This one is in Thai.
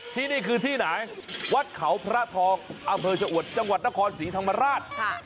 ที่นี่คือที่ไหนวัดเขาพระทองอำเภอชะอวดจังหวัดนครศรีธรรมราช